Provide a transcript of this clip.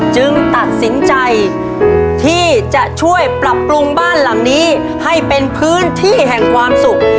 จึงตัดสินใจที่จะช่วยปรับปรุงบ้านหลังนี้ให้เป็นพื้นที่แห่งความสุข